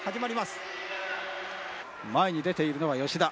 前に出ているのは吉田。